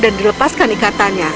dan dilepaskan ikatannya